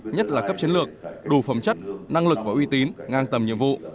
nhất là cấp chiến lược đủ phẩm chất năng lực và uy tín ngang tầm nhiệm vụ